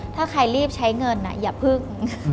ถ้าใครรีบใช้เงินอย่าพึ่ง